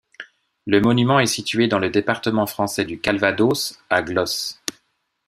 Le monument est situé dans le département français du Calvados, à Glos.